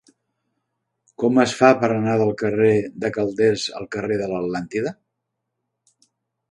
Com es fa per anar del carrer de Calders al carrer de l'Atlàntida?